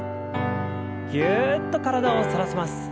ぎゅっと体を反らせます。